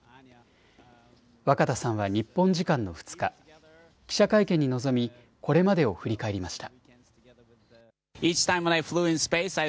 若田さんは日本時間の２日、記者会見に臨みこれまでを振り返りました。